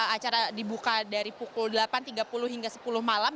acara dibuka dari pukul delapan tiga puluh hingga sepuluh malam